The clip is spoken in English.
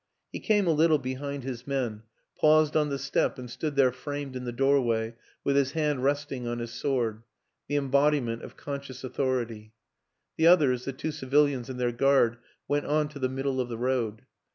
He came a little behind his men, paused on the step and stood there framed in the doorway with his hand resting on his sword, the embodiment of conscious authority; the others, the two civilians and their guard, went on to the middle of the road.